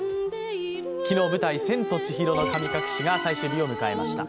昨日、舞台「千と千尋の神隠し」が最終日を迎えました。